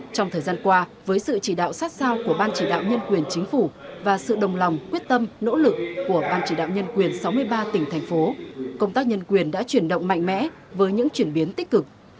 trong thời gian qua với sự chỉ đạo sát sao của ban chỉ đạo nhân quyền chính phủ và sự đồng lòng quyết tâm nỗ lực của ban chỉ đạo nhân quyền sáu mươi ba tỉnh thành phố công tác nhân quyền đã chuyển động mạnh mẽ với những chuyển biến tích cực